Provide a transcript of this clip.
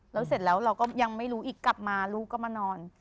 แล้วเสร็จแล้วเราก็ยังไม่รู้อีกกลับมาลูกก็มานอน